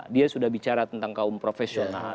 dia sudah bicara tentang kaum profesional